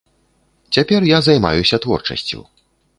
Цяпер я займаюся творчасцю.